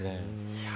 いや